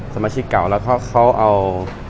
สมาชิกเก่าแล้วก็พ่อเอา